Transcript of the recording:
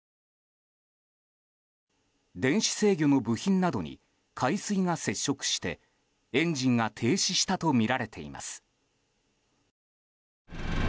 電子制御の部品などに海水が接触してエンジンが停止したとみられています。